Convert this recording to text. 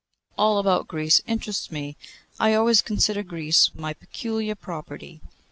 'All about Greece interests me. I always consider Greece my peculiar property.